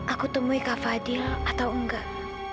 aku temui kak fadil atau enggak